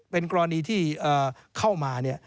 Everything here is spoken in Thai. เป็นกรณีที่เข้ามาเนี่ย